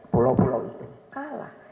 pulau pulau itu kalah